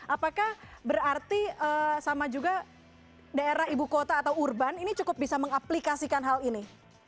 apakah berarti sama juga daerah ibu kota atau urban ini cukup bisa mengaplikasikan hal ini